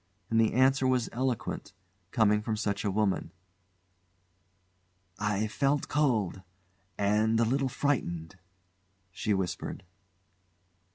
And the answer was eloquent, coming from such a woman. "I feel cold and a little frightened," she whispered.